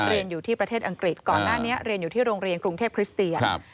เรียนอยู่ที่ประเทศอังกฤษก่อนหน้านี้เรียนอยู่ที่โรงเรียนกรุงเทพคริสเตียน